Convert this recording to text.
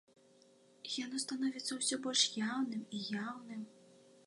І яно становіцца ўсё больш яўным і яўным.